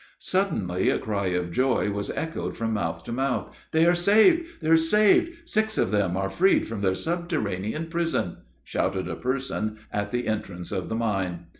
Suddenly a cry of joy was echoed from mouth to mouth, "They are saved! they are saved! six of them are freed from their subterraneous prison!" shouted a person at the entrance of the mine.